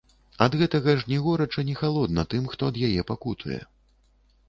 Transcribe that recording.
Ад гэтага ж ні горача, ні халодна тым, хто ад яе пакутуе.